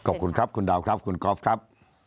ขอบคุณครับคุณดาวครับคุณกอล์ฟครับ